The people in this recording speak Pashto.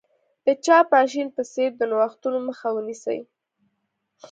د چاپ ماشین په څېر د نوښتونو مخه ونیسي.